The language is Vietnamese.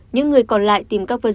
những người còn lại tìm các vấn đề